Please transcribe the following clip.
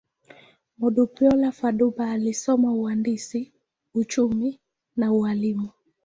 Modupeola Fadugba alisoma uhandisi, uchumi, na ualimu.